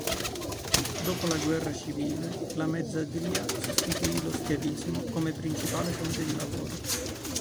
Dopo la guerra civile, la mezzadria sostituì lo schiavismo come principale fonte di lavoro.